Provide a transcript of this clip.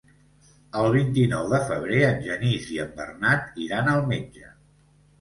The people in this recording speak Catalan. El vint-i-nou de febrer en Genís i en Bernat iran al metge.